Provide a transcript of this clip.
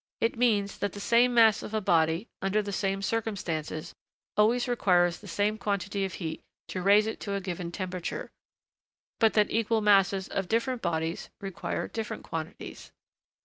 It means that the same mass of a body, under the same circumstances, always requires the same quantity of heat to raise it to a given temperature, but that equal masses of different bodies require different quantities.